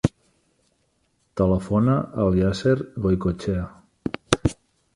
Telefona al Yasser Goicoechea.